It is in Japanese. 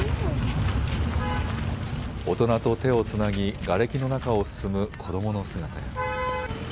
大人と手をつなぎがれきの中を進む子どもの姿や。